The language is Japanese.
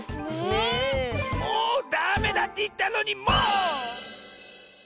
もうダメだっていったのにもう！